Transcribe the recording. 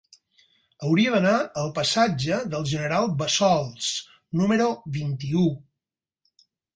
Hauria d'anar al passatge del General Bassols número vint-i-u.